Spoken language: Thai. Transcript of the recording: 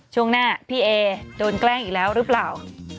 ช่วงหน้าพี่เอโดนแกล้งอีกแล้วหรือเปล่า